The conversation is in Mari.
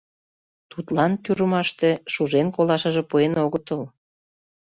Тудлан тюрьмаште шужен колашыже пуэн огытыл.